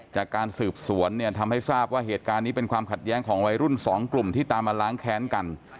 จากการสืบสวนเนี่ยทำให้ทราบว่าเหตุการณ์นี้เป็นความขัดแย้งของวัยรุ่นสองกลุ่มที่ตามมาล้างแค้นกัน